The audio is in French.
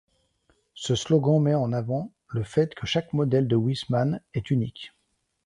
Ce slogan met en avant le fait que chaque modèle de Wiesmann est unique.